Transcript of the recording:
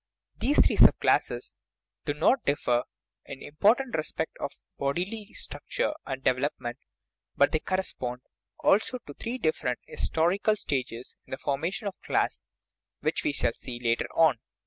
These three sub classes not only differ in the im portant respect of bodily structure and development, but they correspond, also, to three different historical stages in the formation of the class, as we shall see later on.